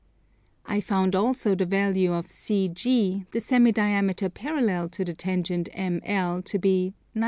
I found also the value of CG the semi diameter parallel to the tangent ML to be 98,779.